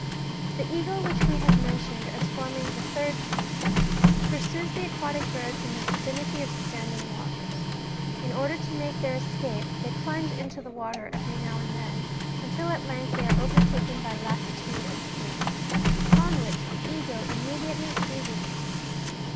The eagle which we have mentioned as forming the third species, pursues the aquatic birds in the vicinity of standing waters : in order to make their escape they plunge into the water every now and then, until at length they are overtaken by lassitude and sleep, upon which the eagle immediately seizes them.